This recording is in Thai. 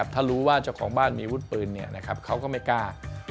ถ้ารู้ว่าเจ้าของบ้านมีวุฒิปืนเขาก็ไม่กล้า